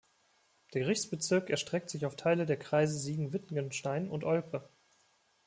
Der Gerichtsbezirk erstreckt sich auf Teile der Kreise Siegen-Wittgenstein und Olpe.